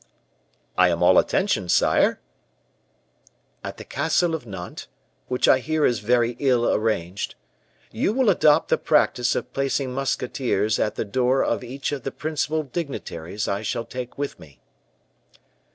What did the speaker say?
"I am all attention, sire." "At the castle of Nantes, which I hear is very ill arranged, you will adopt the practice of placing musketeers at the door of each of the principal dignitaries I shall take with me."